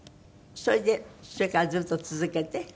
それでそれからずっと続けて？